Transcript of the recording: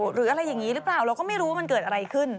หรืออะไรอย่างนี้หรือเปล่าเราก็ไม่รู้ว่ามันเกิดอะไรขึ้น